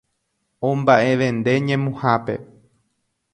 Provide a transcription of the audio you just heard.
Omba'evende ñemuhápe